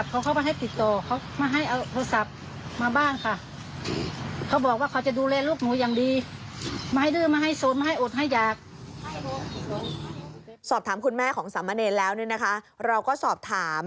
สอบถามคุณแม่ของสามเมอร์เนนแล้วเราก็สอบถาม